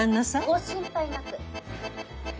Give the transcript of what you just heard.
ご心配なく。